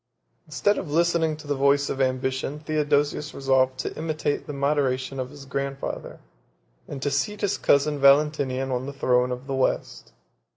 Instead of listening to the voice of ambition, Theodosius resolved to imitate the moderation of his grandfather, and to seat his cousin Valentinian on the throne of the West.